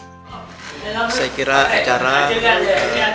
perkembangan transaksi non tunai di aceh mencatat pertumbuhan yang cukup pesat